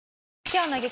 今日の激